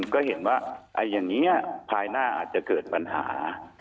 ก็เห็นว่าอย่างนี้ภายหน้าอาจจะเกิดปัญหา